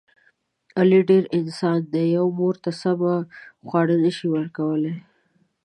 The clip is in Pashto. علي ډېر..... انسان دی. یوې مور ته سمه خواړه نشي ورکولی.